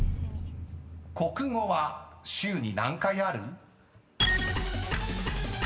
国語は週に何回ある？］